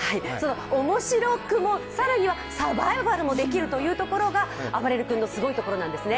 面白くも、更にはサバイバルもできるというところがあばれる君のすごいところなんですね。